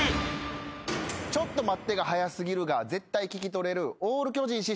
「ちょっと待って」が早過ぎるが絶対聞き取れる。